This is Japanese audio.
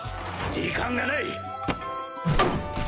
時間がない！